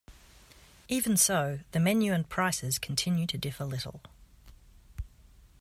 Even so, the menu and prices continue to differ little.